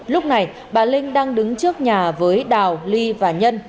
lúc này bà linh đang đứng trước nhà với đào ly và nhân